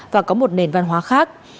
và có một nền văn hóa khác